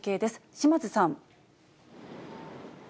島津さん。